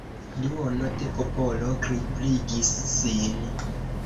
Duono de popolo kripligis sin.